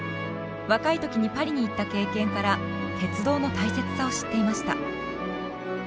若い時にパリに行った経験から鉄道の大切さを知っていました。